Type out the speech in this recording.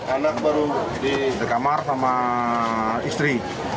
anak baru di kamar sama istri